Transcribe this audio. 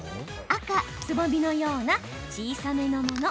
赤つぼみのような小さめのもの。